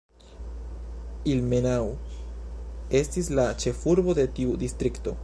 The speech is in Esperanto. Ilmenau estis la ĉefurbo de tiu distrikto.